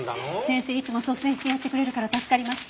先生いつも率先してやってくれるから助かります。